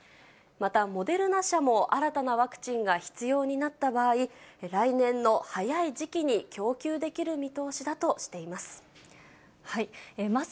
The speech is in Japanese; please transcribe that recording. またモデルナ社も、新たなワクチンが必要になった場合、来年の早い時期に供給できる見通しだとしています。